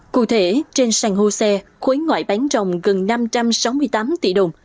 cụ thể trên sàn hô xe khối ngoại bán rồng gần năm trăm sáu mươi tám tỷ đồng